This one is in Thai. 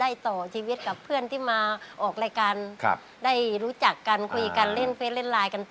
ต่อชีวิตกับเพื่อนที่มาออกรายการครับได้รู้จักกันคุยกันเล่นเฟสเล่นไลน์กันต่อ